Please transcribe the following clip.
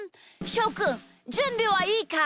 しょくんじゅんびはいいか？